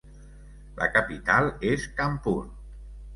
La capital és Kanpur.